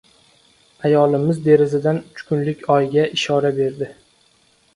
Ayolimiz derazadan uch kunlik oyga ishora berdi...